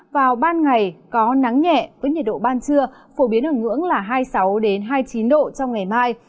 vào ban ngày có nắng nhẹ với nhiệt độ ban trưa phổ biến ở ngưỡng là hai mươi sáu hai mươi chín độ trong ngày mai